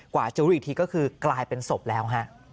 กว่าจะรู้อีกทีก็คือกลายเป็นศพแล้วฮะ